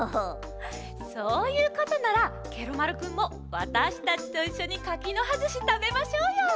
そういうことならケロ丸くんもわたしたちといっしょに柿の葉ずしたべましょうよ。